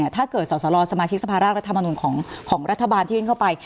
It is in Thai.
ถ้าเกิดสอสรสมาชิกสภาร่างรัฐมนุนของรัฐบาลที่วิ่งเข้าไป